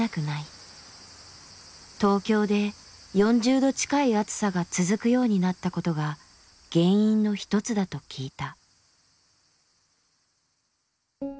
東京で４０度近い暑さが続くようになったことが原因の一つだと聞いた。